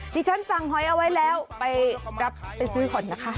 ที่ฉันสั่งหอยเอาไว้แล้วไปรับไปซื้อก่อนนะคะ